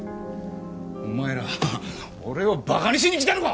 お前ら俺をバカにしに来たのか！？